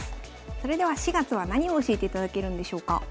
それでは４月は何を教えていただけるんでしょうか？